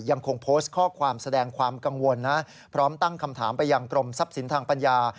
ยังคงโพสต์ข้อความแสดงความกังวลนะพร้อมตั้งคำถามไปยังกรมทรัพย์สินทางปัญญา